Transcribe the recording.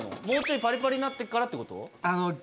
もうちょいパリパリになってからってこと？